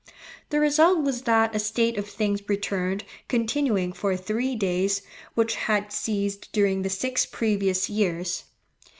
The result was that a state of things returned, continuing for three days, which had ceased during the six previous years.